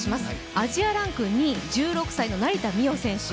アジアランク２位１６歳の成田実生選手。